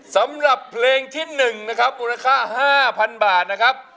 สำหรับเพลงที่๑นะครับมูลค่า๕๐๐๐บาทนะครับ